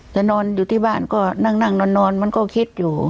นอนอยู่ที่บ้านก็นั่งนอนมันก็คิดอยู่